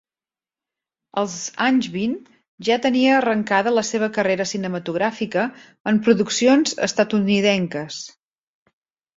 Als anys vint ja tenia arrencada la seva carrera cinematogràfica en produccions estatunidenques.